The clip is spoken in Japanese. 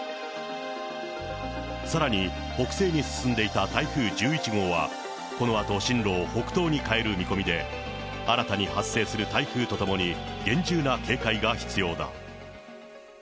さらに、北西に進んでいた台風１１号は、このあと進路を北東に変える見込みで、新たに発生する台風とともに、厳重な警戒が必要だ。